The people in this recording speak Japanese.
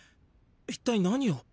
一体何を？